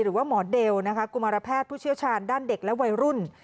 หรือว่าหมอเดลนะคะกุมารแพทย์ผู้เชี่ยวชาญด้านเด็กและวัยรุ่น